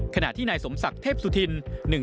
ขณะที่นายสมศักดิ์เทพสุธิน